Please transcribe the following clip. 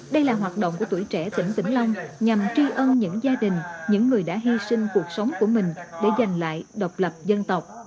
đây là hoạt động của tuổi trẻ tỉnh vĩnh long nhằm tri ân những gia đình những người đã hy sinh cuộc sống của mình để giành lại độc lập dân tộc